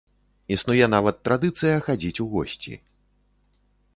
Існуе нават традыцыя хадзіць у госці.